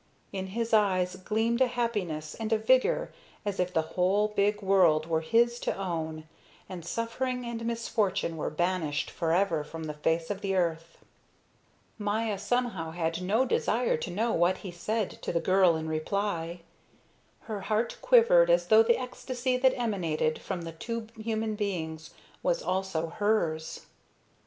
In his eyes gleamed a happiness and a vigor as if the whole big world were his to own, and suffering and misfortune were banished forever from the face of the earth. Maya somehow had no desire to know what he said to the girl in reply. Her heart quivered as though the ecstasy that emanated from the two human beings was also hers.